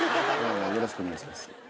よろしくお願いします。